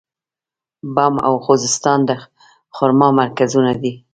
بم او خوزستان د خرما مرکزونه دي.